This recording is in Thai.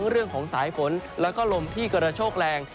เรื่องของสายฝนแล้วก็ลมที่กระโชกแรง